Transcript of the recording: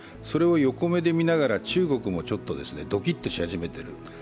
それを横目で見ながら中国もちょっとドキッとし始めてる。